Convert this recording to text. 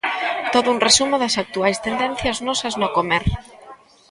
Todo un resumo das actuais tendencias nosas no comer.